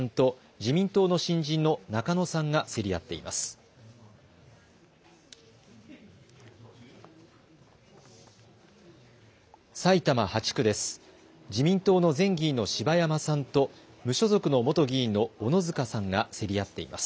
自民党の前議員の柴山さんと無所属の元議員の小野塚さんが競り合っています。